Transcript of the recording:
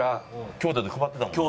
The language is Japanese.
京都で配ってたもんな。